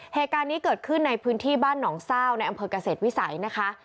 เหตุการณ์นี้เกิดขึ้นในพื้นที่บ้านหนองเศร้าในอำเภอกเกษตรวิสัยนะคะ